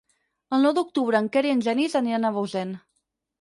El nou d'octubre en Quer i en Genís aniran a Bausen.